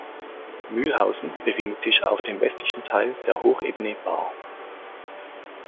Mühlhausen befindet sich auf dem westlichen Teil der Hochebene Baar.